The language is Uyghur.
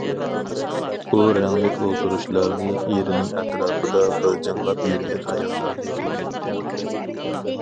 ئۇ رەڭلىك ئولتۇرۇشلارنى، ئېرىنىڭ ئەتراپىدا غىلجىڭلاپ يۈرگەن ئاياللارنى بىلمەيتتى.